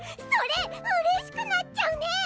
それうれしくなっちゃうね！